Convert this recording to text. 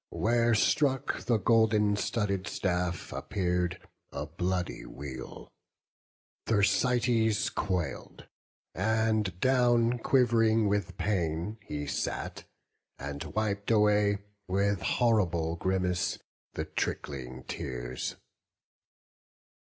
Where struck the golden studded staff, appear'd A bloody weal: Thersites quail'd, and down, Quiv'ring with pain, he sat, and wip'd away. With horrible grimace, the trickling tears.